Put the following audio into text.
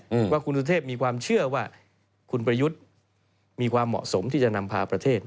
ว่าคุณสุเทพมีความเชื่อว่าคุณประยุทธ์มีความเหมาะสมที่จะนำพาประเทศ